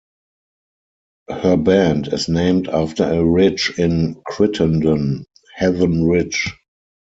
Her band is named after a ridge in Crittenden, Heathen Ridge.